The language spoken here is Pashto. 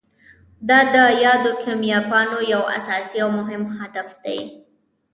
دا د یادو کمپاینونو یو اساسي او مهم هدف دی.